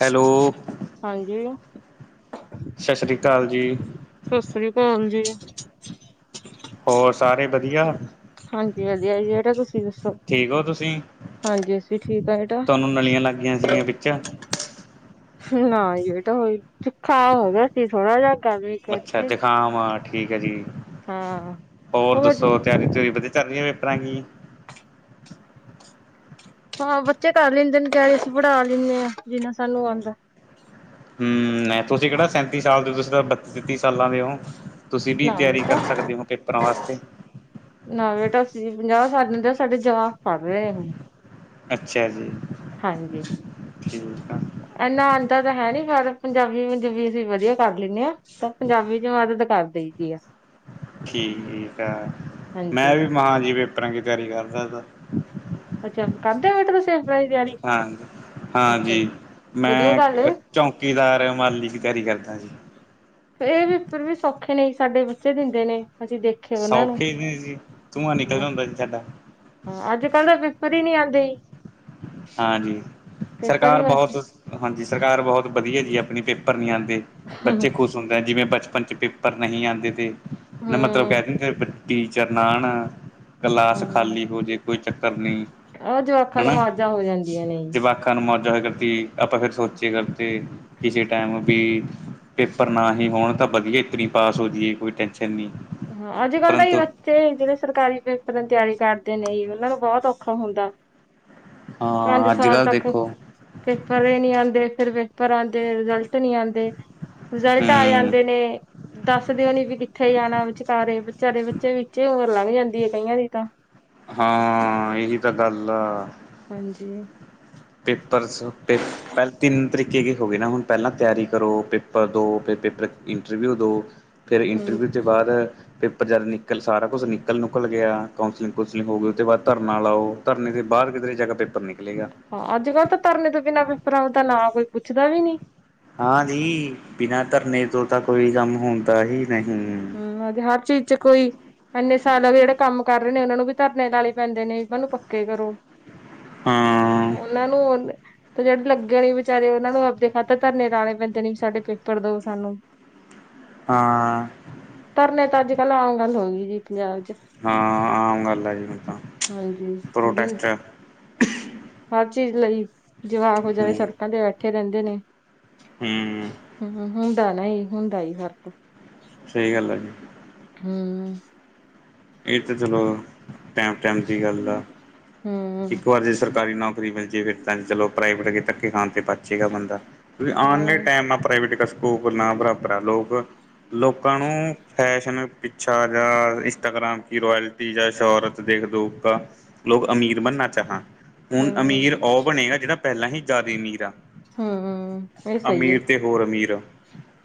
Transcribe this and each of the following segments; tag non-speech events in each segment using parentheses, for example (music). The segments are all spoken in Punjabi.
ਹੈਲੋ। ਹਾਂਜੀ। ਸਤਿ ਸ੍ਰੀ ਅਕਾਲ ਜੀ। ਸਤਿ ਸ੍ਰੀ ਅਕਾਲ ਜੀ। ਹੋਰ ਸਾਰੇ ਵਧੀਆ? ਹਾਂਜੀ- ਹਾਂਜੀ ਜੀ ਜਿਹੜਾ ਕੁਛ ਠੀਕ ਹੋ ਤੁਸੀਂ? ਅਸੀਂ ਠੀਕ ਆ ਬੇਟਾ ਤੁਹਾਨੂੰ ਨਲੀਆਂ ਲੱਗ ਗਈਆਂ ਸੀਗੀਆਂ ਵਿੱਚ। ਨਾ, ਇਹ ਤਾਂ ਹੋ ਜੁਕਾਮ ਹੋ ਗਿਆ ਸੀ ਥੋੜਾ ਜਿਹਾ। ਗਰਮੀ ਅੱਛਾ ਕਰਕੇ ਜੁਕਾਮ ਆ ਠੀਕ ਹੈ ਜੀ, ਹਾਂ ਹੋਰ ਦੱਸੋ ਤਿਆਰੀ ਚਰੀ ਵਧੀ ਚੱਲ ਰਹੀ ਪੇਪਰਾਂ ਕੀ? ਹਾਂ ਬੱਚੇ ਕਰ ਲੈਂਦੇ ਨੇ, ਕ ਅਸੀਂ ਪੜ੍ਹਾ ਲੈਂਦੇ ਹਾਂ ਜਿੰਨਾ ਸਾਨੂੰ ਆਉਂਦਾ। ਹਮ ਤੁਸੀਂ ਕਿਹੜਾ ਸੈਂਤੀ ਸਾਲ ਦੇ ਓ, ਤੁਸੀਂ ਤਾਂ ਬੱਤੀ ਤੇਤੀ ਸਾਲਾਂ ਦੇ ਹੋ। ਤੁਸੀਂ ਵੀ ਨਾ ਤਿਆਰੀ ਕਰ ਬੇਟਾ ਸਕਦੇ ਹੋ ਪੇਪਰਾਂ ਵਾਸਤੇ। ਨਾ ਬੇਟਾ ਅਸੀਂ ਪੰਜਾਹ ਸਾਲ ਦੇ, ਸਾਡੇ ਜਵਾਕ ਪੜ੍ਹ ਰਹੇ ਹੁਣ। ਅੱਛਾ ਜੀ। ਹਾਂਜੀ। ਠੀਕ ਆ, ਇਨਾ ਆੰਦਾ ਤਾਂ ਹੈ ਨੀ, ਫ ਪੰਜਾਬੀ- ਪੰਜੁਬੀ ਅਸੀਂ ਵਧੀਆ ਕਰ ਲੈਂਦੇ ਹਾਂ। ਤਾਂ ਪੰਜਾਬੀ ਚ ਮਦਦ ਕਰ ਦੇਈਦੀ ਆ। ਠੀਕ ਆ, ਮੈਂ ਹਾਂਜੀ ਵੀ ਹਾਂ ਜੀ ਪੇਪਰਾਂ ਦੀ ਤਿਆਰੀ ਕਰਦਾ ਹਾਂ। ਅੱਛਾ ਕਰਦੇ ਹੋ ਬੇਟਾ ਤੁਸੀਂ ਆਪਣਾ ਦੀ ਤਿਆਰੀ ਹਾਂ, ਅੱਛਾ ਹਾਂਜੀ ਵਧੀਆ ਮੈਂ ਗੱਲ ਏ। ਚੋਂਕੀਦਾਰ ਮਾਲੀ ਦਾਰੀ ਕਰਦਾ ਜੀ। ਫੇਰ ਫਿਰ ਵੀ ਸੋਂਖੇ ਨੀ ਸਾਡੇ ਬੱਚੇ ਦਿੰਦੇ ਨੇ ਅਸੀ ਦੇ ਸੋਖੇ ਨੇ ਜੀ ਧੂੰਆਂ ਨਿਕਲ ਜਾਂਦਾ ਸੀ ਸਾਡਾ। ਹਾਂ ਅੱਜ-ਕੱਲ ਤਾਂ ਪੇਪਰ ਈ ਨੀ ਆਂਦੇ ਜੀ। ਹਾਂਜੀ, ਪੇਪਰ ਹੀ ਸਰਕਾਰ ਬਸ ਬੋਹਤ ਹਾਂਜੀ ਸਰਕਾਰ ਬੋਹਤ ਬਦੀਆ ਜੀ ਆਪਨੀ ਪੇਪਰ ਨੀ ਆਂਦੇ ਬੱਚੇ ਹੂੰ ਖੁਸ਼ ਹੁੰਦੇ ਜਿਵੇਂ ਬਚਪਨ ਚ ਪੇਪਰ ਨਹੀਂ ਆਂਦੇ ਤੇ ਨਾ ਮਤਲਬ ਹੂੰ ਕੈ ਦਿ ਟੀਚਰ ਨਾਨ ਕਲਾਸ ਖਾਲੀ ਹੋਜੇ ਕੋਈ ਚੱਕਰ ਨੀ ਓ ਜੋ ਆਂਖਨ ਵਾਜਾਂ ਹੋ ਜਾਂਦੀਆਂ ਨੇ (inaudible) ਕਿਸੇ ਟੈਮ ਵੀ ਪੇਪਰ ਨਾ ਹੀ ਹੋਣ ਤਾਂ ਬਦੀਆ ਇਤਰੀ ਪਾਸ ਹੋ ਜਾਈਏ ਕੋਈ ਟੈਂਸ਼ਨ ਨੀ। ਹਾਂ ਅੱਜ-ਕੱਲ ਤਾਂ ਏਹੀ ਬਸ ਜੇੜੇ ਸਰਕਾਰੀ ਪੇਪਰ ਦੀ ਤੇਆਰੀ ਕਰਦੇ ਨੇ ਓਨਾਂ ਨੂੰ ਬੋਹਤ ਓਖਾ ਹੁੰਦਾ ਪੰਜ ਹਾਂ ਅੱਜ ਸਾਲ ਕੱਲ੍ਹ ਤੱਕ ਦੇਖੋ ਪੇਪਰ ਈ ਨੀ ਆਂਦੇ ਫੇਰ ਪੇਪਰ ਆਂਦੇ ਰਿਜਲਟ ਨੀ ਆਂ ਰਿਜ਼ਲਟ ਆ ਹਮ ਜਾਂਦੇ ਨੇ ਦਾੱਸ ਦੇਓ ਨੀ ਵੀ ਕਿੱਥੇ ਜਾਨਾ। ਸਾਰੇ ਬੱਚਾਰੇ ਬੱਚੇ ਵਿੱਚੇ ਉਮਰ ਲੱਗ ਜਾਂਦੀ ਏ ਕਈਆਂ ਦੀ ਤਾਂ ਹਾਂ ਏਹੀ ਤਾਂ ਗਾੱਲ ਆ। ਹਾਂਜੀ। ਪੇਪਰ ਸੇਰ ਤੇ। ਪੈਲ ਤਿੰਨ ਤਰੀਕੇ ਕੀ ਹੋ ਗਏ ਨਾ ਹੁਨ ਪੈਲਾਂ ਤੇਆਰੀ ਕਰੋ, ਪੇਪਰ ਦੋ ਫੇਰ ਪੇਪਰ ਇੰਟਰਵਿਊ ਦੋ ਫੇਰ ਹੂੰ ਇੰਟਰਵਿਊ ਤੇ ਬਾਦ ਪੇਪਰ ਜਦ ਨਿਕਲ ਸਾਰਾ ਕੁਛ ਨਿਕਲ-ਨੁਕਲ ਗੇਆ ਕਾਊਂਸਲਿੰਗ ਕੁਂਸਲਿੰਗ ਹੋ ਗਈ ਓ ਤੋਂ ਬਾਦ ਧਰਨਾ ਲਾਓ ਧਰਨੇ ਦੇ ਬਾਦ ਕਿਧਰੇ ਜਾਕੇ ਪੇਪਰ ਨਿਕਲੇਗਾ। ਹਾਂ ਅੱਜ-ਕੱਲ ਤਾਂ ਧਰਨੇ ਤੋਂ ਬਿਨਾਂ ਵੀ ਭਰਾ ਓ ਦਾ ਨਾਂ ਕੋਈ ਪੁੱਛਦਾ ਵੀ ਨੀ। ਹਾਂ ਜੀ ਬਿਨਾਂ ਧਰਨੇ ਤੋਂ ਤਾਂ ਕੋਈ ਕਾੰਮ ਹੁੰਦਾ ਹੀ ਨਹੀਂ ਜੀ ਹਰ ਚੀਜ਼ ਚ ਕੋਈ ਐਨੇ ਸਾਲ ਹੋ ਜੇੜਾ ਕਾੰਮ ਕਰ ਨੇ ਓਨਾ ਨੂੰ ਵੀ ਤਾਂ ਅਪਨੇ ਤਾਣੇ ਪੈਂਦੇ ਨੇ ਏਨਾ ਨੂੰ ਪੱਕੇ ਕਰੋ ਹਾਂ ਓਨਾਂ ਨੂੰ ਤੇ ਜੇੜੇ ਲੱਗੇ ਨੇ ਵਿਚਾਰੇ ਓਨਾਂ ਨੂੰ ਆਪਦੇ ਖਾਤਰ ਧਰਨੇ ਲਾਂਣੇ ਪੈਂਦੇ ਨੇ ਸਾਡੇ ਪੇਪਰ ਦੋ ਸਾਨੂੰ ਹਾਂ ਧਰਨੇ ਤਾਂ ਅੱਜ-ਕੱਲ ਆਮ ਗਾੱਲ ਹੋਗੀ ਜੀ ਪੰਜਾਬ ਚ ਹਾਂ, ਆਮ ਗਾੱਲ ਆ ਜੀ ਹੁਨ ਤਾਂ ਹਾਂਜੀ ਪ੍ਰੋਟੈਸਟ ਐ। ਹਾਰ ਚੀਜ਼ ਲਈ ਜਵਾਕ ਜੇੜੇ ਹੂੰ ਸੜਕਾਂ ਤੇ ਬੈਠੇ ਰੈਂਦੇ ਨੇ ਹੂੰ। ਹੁੰਦਾ ਨਈ ਹੁੰਦਾ ਈ ਫਰਕ ਸਈ ਗਾੱਲ ਆ ਜੀ। ਹੂੰ। ਏ ਤਾ‌ਚਲੋ ਟੈਮ-ਟੈਮ ਦੀ ਗਾੱਲ ਆ ਹੂੰ ਇੱਕ ਵਾਰ ਜੇ ਸਰ ਸਰਕਾਰੀ ਨੋਕਰੀ ਮਿਲ ਜੇ ਫੇਰ ਤਾਂਈ ਤੇ ਲੋਕ ਪ੍ਰਾਈਵੇਟ ਗੇ ਧੱਕੇ ਖਾਨਤੇੇ ਅਛੀਗਾ ਬੰਦਾ ਕਯੋਂਕਿ ਆਨ ਦੇ ਹਾਂ ਟੈਮ ਪ੍ਰਾਈਵੇਟ ਸਕੂਲ ਨਾ ਬਰਾਬਰ ਐ ਲੋਕ ਲੋਕਾਂ ਨੂੰ ਫੈਸ਼ਨ, ਪਿੱਛਾ, ਜਾਂ ਇਟਾਗ੍ਰਾਮ ਕੀ ਰੋਏਲਟੀ ਜਾਂ ਸ਼ੋਹਰਤ ਦੇਖ ਦੋ ਕਾ ਲੋਕ ਅਮੀਰ ਬਨਨਾ ਚਾਹਾਂ ਹੁਨ ਹੂੰ ਅਮੀਰ ਓ ਬਨੇਗਾ ਜੇੜਾ ਪੈਂਲਾ ਹੀ ਜਾਦਾ ਅਮੀਰ ਆ। ਹੂੰ, ਅਮੀਰ ਤੇ ਹੋਰ ਅਮੀਰ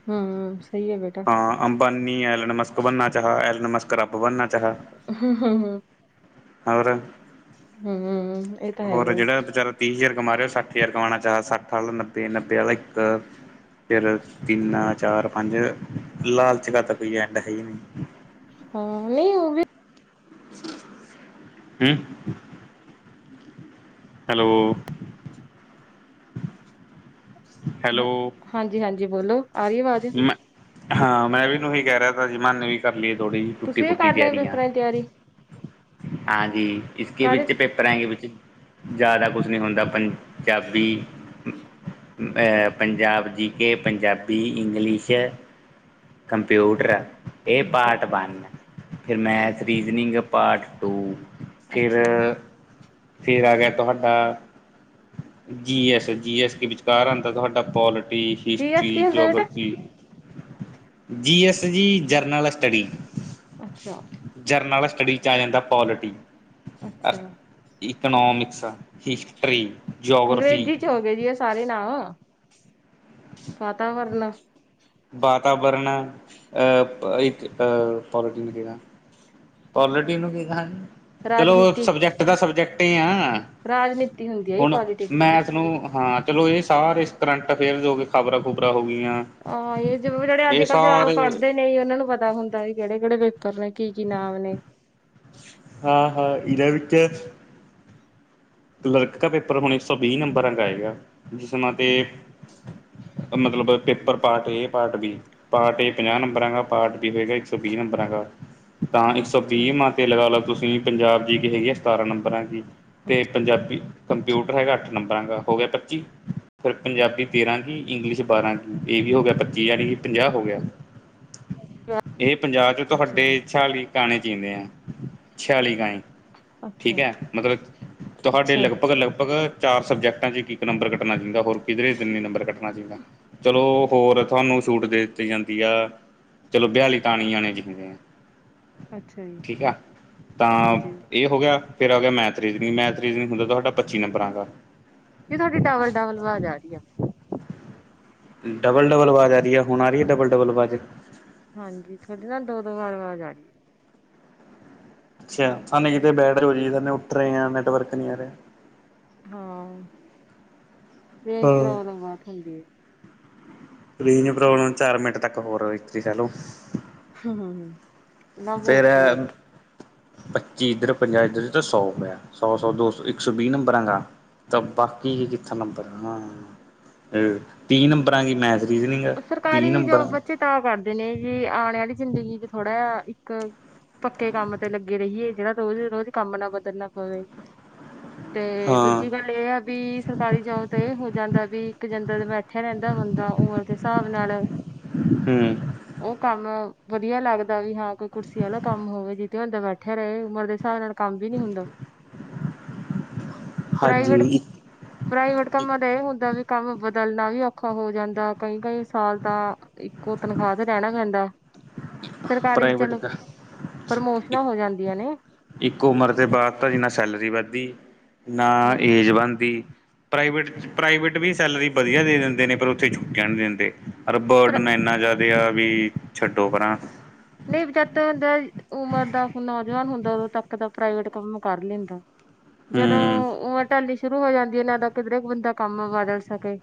ਹਮ ਸਹੀ ਐ ਬੇਟਾ। ਅੰਬਾਨੀ, ਐਲ ਨਮਸਕ ਬਣਨਾ ਚਾਹ ਐਲ ਨਮਕ ਰੱਬ ਬਣਨਾ ਅਹਾਂ- ਹਾਂ- ਹਾਂ। ਅਮਰਣ, ਹੂੰ, ਇਹ ਤਾਂ ਹੋਰ ਹੈਗਾ। ਜਿਹੜਾ ਵਿਚਾਰਾ ਤੀਹ ਹਜ਼ਾਰ ਕਮਾ ਰਹੇ ਸੱਠ ਹਜ਼ਾਰ ਕਮਉਣਾ ਚਾਹ, ਸੱਠ ਵਾਲਾ ਨੱਬੇ -ਨੱਬੇ ਵਾਲਾ ਇੱਕ ਫੇਰ ਤਿੰਨ -ਚਾਰ -ਪੰਜ ਲਾਲਚ ਕਰਦਾ ਤਾਂ ਕੋਈ ਐਂਡ ਹੈ ਹੀ ਨਹੀਂ। ਹਾਂ ਨਹੀਂ ਉਹ ਵੀ। (inaudible) ਹਮ ਹੈਲੋ ਹੈਲੋ ਹਾਂਜੀ- ਹਾਂਜੀ ਬੋਲੋ, ਆ ਰਹੀ ਆਵਾਜ਼ ਮੈ, ਹਾਂ ਮੈਂ ਵੀ ਉਹੀ ਕਹਿ ਰਿਹਾ ਸੀ ਤਾ ਮੈਂਨੇ ਵੀ ਕਰ ਲਈਏ ਥੋੜ੍ਹੀ ਜਹੀ ਟੁੱਟੀ ਤੁਸੀਂ ਵੀ ਫੁੱਟੀ ਕਰ ਲਏ ਤਿਆਰੀਆਂ ਪੇਪਰਾਂ ਦੀ ਤਿਆਰੀ? ਹਾਂਜੀ ਇਸ ਕੀ ਕਰ ਵਿੱਚ ਪੇਪਰਾਂ ਵਿੱਚ ਜ਼ਿਆਦਾ ਕੁਛ ਨਹੀਂ ਹੁੰਦਾ ਆਪਾਂ ਪੰਜਾਬੀ, ਐ ਪੰਜਾਬ ਜੀ ਕੇ ਪੰਜਾਬੀ ਵੀ ਇੰਗਲਿਸ਼ ਅੱਛਾ ਜੀ, ਕੰੰਪਿਊਟਰ ਇਹ ਅੱਛਾ, ਪਾਰਟ ਵਨ, ਫੇਰ ਮੈਥ ਅੱਛ- ਰੀਜ਼ਨਿੰਗ ਪਾਰਟ ਟੂ ਫਿਰ, ਅੱਛਾ ਜੀ। ਫੇਰ ਆ ਗਿਆ ਤੁਹਾਡਾ G S G S K ਵਿਚਕਾਰ ਆਉਂਦਾ ਤੁਹਾਡਾ ਪੋਲਟ ਵੀ ਜੀ ਐਸ ਹਿਸਟਰੀ ਕੀ ਹੁੰਦਾ ਬੇਟਾ? ਜੋਗ੍ਰਫੀ ਜੀ ਐਸ ਜੀ ਜਰਨਲ ਸਟੱਡੀ, ਅੱਛਾ, ਜਰਨਲ ਸਟੱਡੀ 'ਚ ਆ ਜਾਂਦਾ ਕੋਆਲਿਟੀ ਅ ਅੱਛਾ। ਇਕਨੋਮਿਕਸ, ਹਿਸਟਰੀ ਜੋਗਰਫੀ ਵਿੱਚ ਹੀ ਹੋ ਗਏ ਜੀ ਇਹ ਸਾਰੇ ਨਾ, ਵਾਤਾਵਰਨ ਵਾਤਾਵਰਨ ਅਹ ਇਕ ਪੋਲੀਟੀਨ ਕਿਹੜਾ ਪੋਲੀਟੀਨ ਕਿਹਾਂ, ਚਲੋ ਰਾਜਨੀਤੀ ਸਬਜੈਕਟ ਦਾ ਸਬਜੈਕਟ ਹੀ ਆ ਰਾਜਨੀਤੀ ਹੁੰਦੀ ਹੈ ਜੀ ਹੁਣ ਪੋਲੀਟਿਕਸ। ਮੈਂਥ ਨੂੰ ਹਾਂ ਚਲੋ ਇਹ ਸਾਰੇ ਕਰੰਟ ਅਫੇਅਰਸ ਹੋ ਗਏ, ਖ਼ਬਰਾਂ ਖੁਬਰਾਂ ਹੋ ਗਈਆਂ ਆਹੋ, ਇਹ ਜ ਜਿਹੜੇ ਇਹ ਅੱਜ- ਕੱਲ ਜਾ ਸਾਰੇ ਫਾੜਦੇ ਨਹੀਂ ਉਹਨਾਂ ਨੂੰ ਪਤਾ ਹੁੰਦਾ, ਵੀ ਕਿਹੜੇ- ਕਿਹੜੇ ਪੇਪਰ ਨੇ ਕੀ- ਕੀ ਨਾਮ ਨੇ ਹਾਂ- ਹਾਂ ਇਹਦੇ ਵਿੱਚ ਕਲਰਕ ਦਾ ਪੇਪਰ ਹੁਣ ਇੱਕ ਸੌ ਵੀਹ ਨੰਬਰਾਂ ਦਾ ਹੈਗਾ, ਜਿਸਮ੍ਹਾਂ ਤੇ ਮਤਲਬ ਪੇਪਰ ਪਾਰਟ ਏ ਪਾਰਟ ਵੀ, ਪਾਰਟ ਏ ਪੰਜਾਹ ਨੰਬਰਾਂ ਦਾ ਪਾਠ ਵੀ ਮੈਂ ਕਿਹਾ ਇੱਕ ਸੌ ਵੀਹ ਨੰਬਰਾਂ ਦਾ, ਤਾਂ ਇੱਕ ਸੌ ਅੱਛਾ। ਵੀਹ ਮਾ ਤੇ ਲਗਾ ਲਓ ਤੁਸੀਂ ਪੰਜਾਬ ਜੀ ਕੇ ਹੈਗੀ ਆ ਸਤਾਰਾਂ ਨੰਬਰਾਂ ਦੀ ਤੇ ਅੱਛ ਪੰਜਾਬੀ ਕੰਪਿਊਟਰ ਹੈਗਾ ਅੱਠ ਨੰਬਰਾਂ ਦਾ ਹੋ ਗਿਆ ਪੱਚੀ ਫੇਰ ਪੰਜਾਬੀ ਤੇਰਾਂ ਕੀ, ਇੰਗਲਿਸ਼ ਬਾਰਾਂ ਕੀ, ਇਹ ਵੀ ਹੋ ਗਿਆ ਪੱਚੀ ਜਾਣੀ ਕਿ ਪੰਜਾਹ ਹੋ ਗਿਆ ਇਹ ਪੰਜਾਬ 'ਚ ਅੱਛਾ ਜੀ ਤੁਹਾਡੇ ਛਿਆਲੀ ਗਾਣੇ ਜੀਉਂਦੇ ਆ, ਛਿਆਲੀ ਗਾਏ, ਅੱਛਾ ਠੀਕ ਹੈ ਮਤਲਬ ਤੁਹਾਡੇ ਅੱਛਾ ਲਗਭਗ ਲਗਭਗ ਚਾਰ ਸਬਜੈਕਟਾਂ 'ਚ ਇੱਕ- ਇੱਕ ਨੰਬਰ ਕੱਟਣਾ ਚਾਹੀਦਾ, ਹੋਰ ਕਿਧਰੇ ਤਨਨੀ ਨੰਬਰ ਕੱਟਣਾ ਚਹੀਦਾ ਚਲੋ ਹੋਰ ਤਾਨੂੰ ਛੂਟ ਦੇ ਦਿੱਤੀ ਜਾਂਦੀ ਆ ਚਲੋ ਬਹਲੀ ਤਾਣੀ ਆਣੇ ਕਿਸੀਦੇ ਅੱਛਾ ਜੀ ਠੀਕ ਹੈ, ਤਾਂ ਹਾਂਜੀ ਇਹ ਹੋ ਗਿਆ, ਫੇਰ ਆ ਗਿਆ ਮੈਥਜਣੀ ਮੈਥ (unintelligible) ਹੁੰਦਾ ਤੁਹਾਡਾ ਪੱਚੀ ਨੰਬਰਾਂ ਦਾ, ਨੀ ਤੁਹਾਡੀ ਡਬਲ-ਡਵਲ ਅਵਾਜ਼ ਆ ਰਹੀ ਆ। ਡਬਲ-ਡਬਲ ਆਵਾਜ਼ ਆ ਰਹੀ ਹੈ ਹੁਣ ਆ ਰਹੀ ਹੈ ਡਬਲ-ਡਬਲ ਆਵਾਜ਼, ਹਾਂਜੀ ਤੁਹਾਡੀ ਨਾ ਦੋ-ਦੋ ਵਾਰ ਆਵਾਜ਼ ਆ ਰੀ, ਅੱਛਾ ਸਾਨੇ ਕਿਤੇ ਬੈਟ ਹੋ ਜਾ ਉੱਠ ਰਹੇ ਨੈਟਵਰਕ ਨੀ ਆ ਰਹਾ। ਹਾਂ, ਰੇਜ ਹਾਂ ਪ੍ਰੋਵਲਮ ਬਹੁਤ ਹੁੰਦੀ ਹੈ। ਰੇਜ਼ ਦੀ ਪ੍ਰੋਬਲਮ ਚਾਰ ਮਿੰਟ ਤੱਕ ਹੋਰ ਇਸ ਤਰ੍ਹਾਂ ਕਰਲੋ। ਹੂੰ, ਫੇਰ, ਪੱਚੀ ਇੱਧਰ ਪੰਜਾਹ ਇੱਧਰ ਤਾਂ ਸੌ ਹੋਗਿਆ ਸੌ-ਸੌ ਦੋ ਸੌ ਇੱਕ ਸੌ ਵੀਹ ਨੰਬਰਾਂ ਦਾ, ਤਾਂ ਬਾਕੀ ਕਿੱਥੇ ਨੰਬਰ ਇਹ ਤੀਹ ਨੰਬਰਾਂ ਦੀ ਮੈਥ ਰੀਜ਼ਨਿੰਗ ਤੀਹ ਸਰਕਾਰੀ ਨੰਬਰ ਜੋਬ ਬੱਚੇ ਤਾਂ ਕਰਦੇ ਨੇ ਜੀ ਆਣੇ ਵਾਲੀ ਜ਼ਿੰਦਗੀ ਚ ਥੋੜ੍ਹਾ ਜਿਹਾ ਇੱਕ, ਪੱਕੇ ਕੰਮ ਤੇ ਲੱਗੇ ਰਹੀਏ ਜਿਹੜਾ ਰੋਜ਼-ਰੋਜ਼ ਕੰਮ ਨਾ ਬਦਲਣਾ ਪਵੇ। ਤੇ ਹਾਂ ਦੂਜੀ ਗੱਲ ਇਹ ਆ ਵੀ ਸਰਕਾਰੀ ਜੋਬ ਤੇ ਹੋ ਜਾਂਦਾ ਵੀ ਇੱਕ ਜਿੰਦਰ ਮੈ, ਇੱਥੇ ਰਹਿੰਦਾ ਬੰਦਾ ਉਮਰ ਦੇ ਹਿਸਾਬ ਨਾਲ, ਹੂੰ। ਉਹ ਕੰਮ ਵਧੀਆ ਲੱਗਦਾ ਵੀ ਹਾਂ ਕੋਈ ਕੁਰਸੀ ਵਾਲਾ ਕੰਮ ਹੋਵੇ ਜੇ, ਛੋਟੇ ਹੁੰਦੇ ਬੈਠੇ ਰਹੇ ਉਮਰ ਦੇ ਹਿਸਾਬ ਨਾਲ, ਕੰਮ ਵੀ ਨੀ ਹੁੰਦਾ, ਪ੍ਰਾਈਵੇਟ ਹਾਂਜੀ ਪ੍ਰਾਈਵੇਟ ਕੰਮਾਂ ਦਾ ਇਹ ਹੁੰਦਾ ਵੀ ਕੰਮ ਬਦਲਣਾ ਵੀ ਔਖਾ ਹੋ ਜਾਂਦਾ। ਕਈ-ਕਈ ਸਾਲ ਤਾਂ ਇੱਕੋ ਤਨਖਾਹ ਤੇ ਰਹਿਣਾ ਪੈਂਦਾ। ਸਰਕਾਰੀ ਚ ਪ੍ਰਾਈਵੇਟ ਚਲੋ, ਦਾ ਪ੍ਰਮੋਸ਼ਨਾਂ ਹੋ ਜਾਂਦੀਆਂ ਨੇ। ਇੱਕ ਉਮਰ ਦੇ ਬਾਅਦ ਤਾਂ ਜੀ ਨਾ ਸੈਲਰੀ ਵੱਧਦੀ, ਨਾ ਹੂੰ ਏਜ ਬਣਦੀ। ਪ੍ਰਾਈਵੇਟ ਚ ਪ੍ਰਾਈਵੇਟ ਵੀ ਸੈਲਰੀ ਵਧੀਆ ਦੇ ਦਿੰਦੇ ਨੇ ਪਰ ਉੱਥੇ ਛੁਟੀਆਂ ਨਹੀਂ ਦਿੰਦੇ। ਪਰ ਬਰਡਨ ਇੰਨਾ ਜ਼ਿਆਦਾ ਆ ਵੀ ਛੱਡੋ ਪਰਾਂ, ਨਹੀ ਜਦ ਬੰਦਾ ਉਮਰ ਦਾ ਨੌਜਵਾਨ ਹੁੰਦਾ ਉਦੋਂ ਤੱਕ ਤਾਂ ਪ੍ਰਾਈਵੇਟ ਕੰਮ ਕਰ ਲੈਂਦਾ। ਜਦੋਂ ਹੂੰ, ਉਮਰ ਟਲਣੀ ਸ਼ੁਰੂ ਹੋ ਜਾਂਦੀ ਹੈ ਨਾ ਤਾਂ ਕਿਧਰੇ ਕੁ ਬੰਦਾ ਕੰਮ ਬਦਲ ਸਕੇ।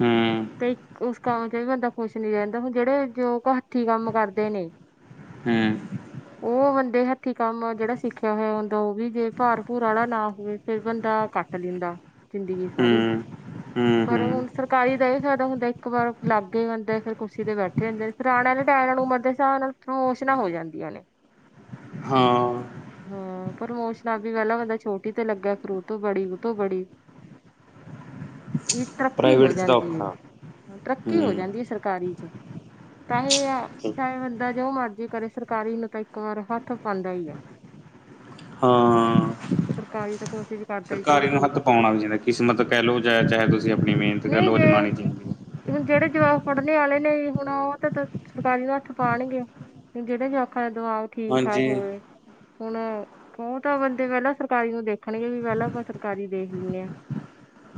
ਹੂੰ, ਤੇ ਕੁ ਕੰਮ ਚ ਵੀ ਬੰਦਾ ਖੁਸ਼ ਨੀ ਰਹਿੰਦਾ ਹੁਣ ਜਿਹੜੇ ਜੋ ਕੁ ਹੱਥੀ ਕੰਮ ਕਰਦੇ ਨੇ। ਹਾਂ। ਉਹ ਬੰਦੇ ਹੱਥੀ ਕੰਮ ਜਿਹੜਾ ਸਿੱਖਿਆ ਹੋਇਆ ਹੁੰਦਾ ਉਹ ਵੀ ਜੇ ਭਾਰ ਭੂੂਰ ਵਾਲਾ ਨਾ ਹੋਵੇ। ਫਿਰ ਬੰਦਾ ਕੱਟ ਲੈਂਦਾ ਜ਼ਿੰਦਗੀ ਹੂੰ, ਸਾਰੀ, ਹੂੰ, ਪਰ ਹੂੰ। ਹੁਣ ਸਰਕਾਰੀ ਦਾ ਇਹ ਫਾਇਦਾ ਹੁੰਦਾ ਇੱਕ ਵਾਰ ਲਾਗੇ ਬੰਦੇ ਫਿਰ ਕੁਰਸੀ ਤੇ ਬੈਠੇ ਹੁੰਦੇ ਨੇ ਫਿਰ ਆਣੇ ਵਾਲੇ ਟਾਈਮ ਨਾਲ ਉਮਰ ਦੇ ਹਿਸਾਬ ਨਾਲ, ਪ੍ਰੋਮੋਸ਼ਨਾ ਹੋ ਜਾਂਦੀਆਂ ਨੇ, ਹਾਂ। ਹਾਂ ਪ੍ਰੋਮੋਸ਼ਨਾ ਬੀ ਪਹਿਲਾਂ ਬੰਦਾ ਛੋਟੀ ਤੇ ਲੱਗਿਆ ਫਿਰ ਉਹ ਤੋਂ ਬੜੀ ਉਹ ਤੋਂ ਬੜੀ, (inaudible) ਜਿ ਤਰੱਕੀ ਹੋ ਪ੍ਰਾਈਵੇਟ 'ਚ ਤਾਂ ਜਾਂਦੀ ਹੈ, ਔਖਾ ਤਰੱਕੀ ਹੋ ਹੂੰ, ਜਾਂਦੀ ਹੈ ਸਰਕਾਰੀ ਚ। ਤਾਹੀ ਆ ਚਾਹੇ ਬੰਦਾ ਜੋ ਮਰਜ਼ੀ ਕਰੇ ਸਰਕਾਰੀ ਨੂੰ ਤਾਂ ਇੱਕ ਵਾਰ ਹੱਥ, ਦਾ ਇ ਐ, ਹਾਂ। ਸਰਕਾਰੀ ਤਾਂ ਕੋਸ਼ਿਸ਼ ਕਰਦਾ ਹੀ ਚਲੋ ਸਰਕਾਰੀ ਨੂੰ ਛੋੜ ਹੱਥ ਪਾਉਣਾ ਵੀ ਚਾਹੀਦਾ ਕਿਸਮਤ ਕਹਿ ਲਓ ਚਾਹੇ-ਚਾਹੇ ਤੁਸੀਂ ਆਪਣੀ ਮਿਹਨਤ ਕਹਿ ਨਹੀਂ ਲਓ ਜੇ ਅਜਮਾਣੀ ਚ, ਹੁਣ ਜਿਹੜੇ ਜਵਾਕ ਪੜ੍ਹਨੇ ਵਾਲੇ ਨੇ ਹੁਣ ਉਹ ਤੇ ਸਰਕਾਰੀ ਨੂੰ ਹੱਥ ਪਾਉਣਗੇ, ਤੇ ਜਿਹੜੇ ਜਵਾਕਾ ਦੇ ਦਿਮਾਗ ਠੀਕ ਠਾਕ ਹਾਂਜੀ, ਹੋਵੇ, ਹੁਨ ਉਹ ਤਾਂ ਬੰਦੇ ਪਹਿਲਾਂ ਸਰਕਾਰੀ ਨੂੰ ਦੇਖ ਆਖਣਗੇ ਵੀ ਪਹਿਲਾਂ ਆਪਾਂ ਸਰਕਾਰੀ ਦੇਖ ਲਿਏ ਹਾਂ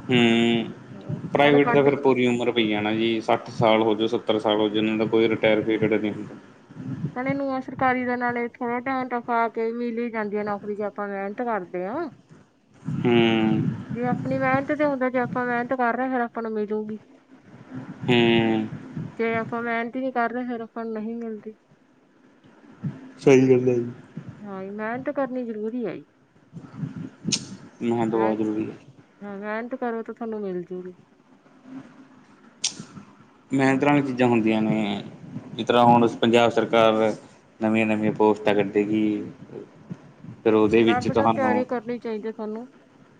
ਹੂੰ। ਉਹ ਨੇ ਪ੍ਰਾਈਵੇਟ ਤਾਂ ਕੱਢ ਫਿਰ ਪੂਰੀ ਉਮਰ ਪਈ ਜਾਣਾ ਵੀ ਸੱਠ ਸਾਲ ਹੋ ਗਏ ਸੱਤਰ ਸਾਲ ਹੋਜੇ ਇਹਨਾਂ ਦਾ ਕੋਈ ਰਿਟਾਇਰ ਪੀਰੀਅਡ ਨਹੀਂ ਹੁੰਦਾ ਨਾਲ ਇਹ ਨੂੰ ਸਰਕਾਰੀ ਦੇ ਨਾਲੇ ਥੋੜਾ ਟਾਈਮ ਤੱਕ ਆ ਕੇ ਮਿਲ ਹੀ ਜਾਂਦੀ ਏ ਨੌਕਰੀ ਜੇ ਆਪਾਂ ਮਿਹਨਤ ਕਰਦੇ ਆ ਹੰ ਜੇ ਅਪਨੀ ਮਿਹਨਤ ਤੇ ਹੁੰਦਾ ਜੇ ਆਪਾਂ ਮਿਹਨਤ ਕਰ ਰਹੇ ਆ ਫੇਰ ਆਪਾਂ ਨੂੰ ਮਿਲੂਗੀ ਹੂੰ ਜੇ ਆਪਾਂ ਮਿਹਨਤ ਹੀ ਨਹੀ ਕਰ ਰਹੇ ਫੇਰ ਆਪਾਂ ਨੂੰ ਨਹੀਂ ਮਿਲਦੀ ਸਹੀ ਗੱਲ ਏ ਜੀ ਹਾਂਜੀ ਮਿਹਨਤ ਕਰਨੀ ਜ਼ਰੂਰੀ ਐ ਈ ਮੇਹਨਤ ਬਹੁਤ ਜਰੂਰੀ ਐ ਹਾਂ ਮਿਹਨਤ ਕਰੋ ਤਾਂ ਤੁਹਾਨੂੰ ਮਿਲਜੂਗੀ (unintelligible) (inaudible) ਮਿਹਨਤ ਹਮ, ਵਾਲੀਆਂ ਚੀਜ਼ਾਂ ਹੁੰਦੀਆਂ ਨੇ ਜਿਸ ਤਰ੍ਹਾਂ ਹਾਂ ਹੁਣ ਜੀ ਪੰਜਾਬ ਸਰਕਾਰ ਐ ਨਵੀਆਂ ਨਵੀਆਂ ਪੋਸਟਾਂ ਕੱਢੇ ਗੀ ਨਾ ਪਤਾ ਤਿਆਰੀ ਕਰਨੀ ਚਾਹੀਦੀ ਏ ਤੁਹਾਨੂੰ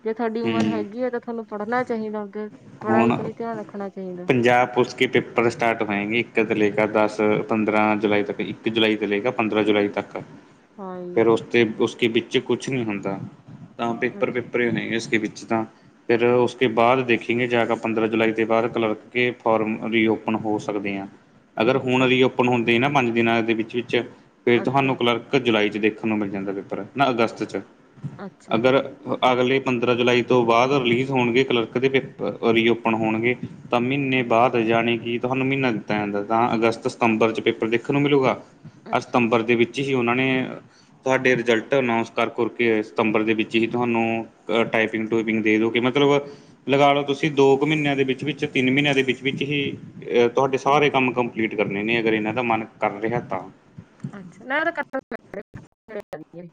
ਜੇ ਤੁਹਾਡੀ ਉਮਰ ਹੂੰ ਹੈਗੀ ਹੈ ਏ ਤਾਂ ਤੁਹਾਨੂੰ ਪੜ੍ਹਨਾ ਚਾਹੀਦਾ ਅੱਗੇ ਪੜ੍ਹਾਈ ਹੁਣ ਤੇ ਨਹੀਂ ਧਿਆਨ ਰੱਖਨਾ ਚਾਹੀਦਾ ਪੰਜਾਬ ਪੁਲਿਸ ਕਿ ਪੇਪਰ ਸਟਾਰਟ ਹੋਏਗੇ ਇੱਕ ਤੋਂ ਲੈ ਕੇ ਏ ਦਸ ਪੰਦਰਾਂ ਜੁਲਾਈ ਤੱਕ ਇੱਕ ਜੁਲਾਈ ਤੇ ਲੇਕੈ ਪੰਦਰਾਂ ਜੁਲਾਈ ਤੱਕ ਹਾਂਜੀ ਫੇਰ ਉਸ ਤੇ ਉਸ ਵਿੱਚ ਕੁਛ ਨੀ ਹੁੰਦਾ ਤਾਂ ਪੇਪਰ ਅੱਛਾ ਪੇਪਰ ਪੇਪਰ ਨਹੀ ੳਸ ਕੇ ਵਿਚ ਤਾ ਫਿਰ ਉਸ ਕੇ ਬਾਅਦ ਦੇਖ ਲਿਖੀਗੇ ਜਾ ਕੇ ਪੰਦਰਾਂ ਜੁਲਾਈ ਦੇ ਬਾਅਦ ਕਲਰਕ ਕੇ ਫੋਰਮ ਰੀਓਪਨ ਹੋ ਸਕਦੇ ਆ ਅਗਰ ਹੁਨ ਅੱਛਾ ਰੀਓਪਨ ਹੁੰਦੇ ਨਾ ਪੰਜ ਦਿਨਾਂ ਦੇ ਵਿੱਚ ਵਿੱਚ ਫਿਰ ਤੁਹਾਨੂੰ ਅੱਛਾ ਕਲਰਕ ਜੁਲਾਈ 'ਚ ਦੇਖਣ ਨੂੰ ਮਿਲ ਜਾਂਦਾ ਪੇਪਰ ਨਾ ਅਗਸਤ ਚ ਅੱਛਾ ਅਗਰ ਅਗਲੇ ਪੰਦਰਾਂ ਜੁਲਾਈ ਤੋਂ ਬਾਅਦ ਰਿਲੀਜ਼ ਹੋਨੇਗੇ ਕਲਰਕ ਦੇ ਪੇਪਰ ਰੀਓਪਨ ਹੋਨਗੇ ਤਾਂ ਮਹੀਨੇ ਹਮ ਬਾਅਦ ਯਾਣੀ ਕਿ ਤੁਹਾਨੂੰ ਮਹੀਨਾ ਦਿੱਤਾ ਜਾਂਦਾ ਤਾਂ ਅਗਸਤ ਸਤੰਬਰ ਚ ਪੇਪਰ ਦੇਖਨ ਨੂੰ ਮਿਲੂਗਾ। ਅਹ ਅੱਛਾ ਸਤੰਬਰ ਦੇ ਵਿੱਚ ਹੀ ਉਹਨਾਂ ਨੇ ਤੁਹਾਡੇ ਰਿਜ਼ਲਟ ਅਨਾਊਂਸ ਕਰ ਕੁਰ ਕੇ ਸਤੰਬਰ ਦੇ ਵਿੱਚ ਹੀ ਤੁਹਾਨੂੰ ਅ ਟਾਈਪਿੰਗ ਟੂਪਿੰਗ ਦੇ ਦੋਗੇ ਮਤਲਬ ਲਗਾ ਲਓ ਤੁਸੀਂ ਦੋ ਕੁ ਮਹੀਨਿਆਂ ਦੇ ਵਿੱਚ ਵਿੱਚ ਤਿੰਨ ਮਹੀਨਿਆਂ ਦੇ ਵਿੱਚ ਵਿੱਚ ਹੀ ਏ ਤੁਹਾਡੇ ਸਾਰੇ ਕੰਮ ਕੰਪਲੀਟ ਕਰਨੇ ਨੇ ਅਗਰ ਇਹਨਾਂ ਦਾ ਮਨ ਕਰ ਰਿਹਾ ਤਾਂ ਅੱਛਾ ਨਾ ਕੀ ਕਰੀਏ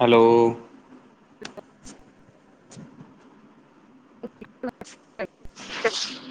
ਹੈਲੋ। (inaudible) (unintelligible) (unintelligible)